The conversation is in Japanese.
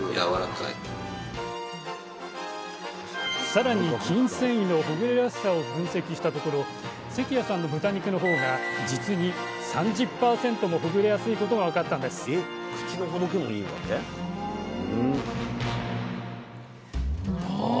さらに筋線維のほぐれやすさを分析したところ関谷さんの豚肉の方が実に３０％もほぐれやすいことが分かったんですああ